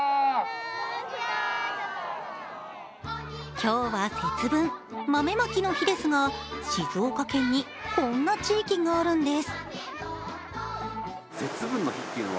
今日は節分、豆まきの日ですが静岡県に、こんな地域があるんです